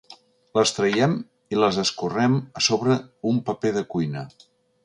Les traiem i les escorrem a sobre un paper de cuina.